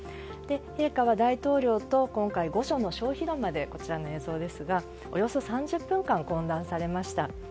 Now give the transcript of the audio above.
陛下は大統領と今回御所の小広間でこちらの映像ですがおよそ３０分間、懇談されました。